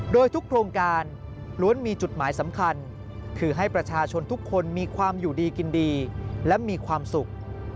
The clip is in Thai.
โดยทุกโครงการล้วนมีจุดหมายสำคัญคือให้ประชาชนทุกคนมีความอยู่ดีกินดีและมีความสุข